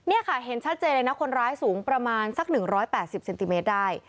นี่ค่ะเห็นชัดเจนเลยนะคนร้ายสูงประมาณสัก๑๘๐เซนติเมตรได้